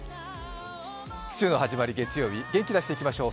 週の始まり、月曜日、元気出していきましょう。